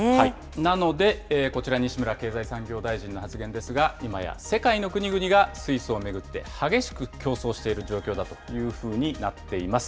なので、こちら、西村経済産業大臣の発言ですが、いまや世界の国々が水素を巡って激しく競争している状況だと言っています。